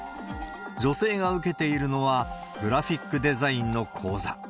女性が受けているのはグラフィックデザインの講座。